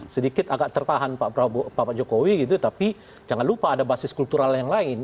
sedikit agak tertahan pak jokowi gitu tapi jangan lupa ada basis kultural yang lain